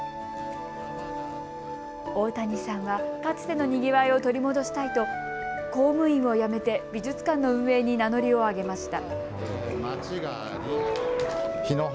大谷さんは、かつてのにぎわいを取り戻したいと公務員を辞めて美術館の運営に名乗りを挙げました。